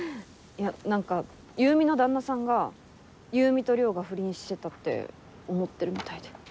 いやなんか優美の旦那さんが優美と稜が不倫してたって思ってるみたいで。